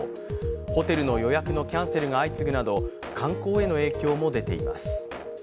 ホテルの予約のキャンセルが相次ぐなど、観光への影響も出ています。